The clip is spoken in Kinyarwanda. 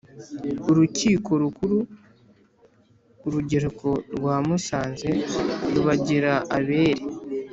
urukiko rukuru, urugereko rwa musanze rubagira abere